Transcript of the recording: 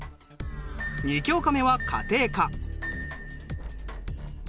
２教科目は家庭科。